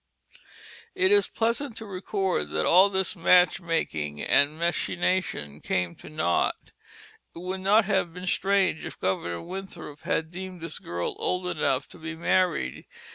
It is pleasant to record that all this match making and machination came to naught. It would not have been strange if Governor Winthrop had deemed this girl old enough to be married.